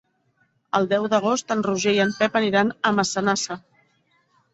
El deu d'agost en Roger i en Pep aniran a Massanassa.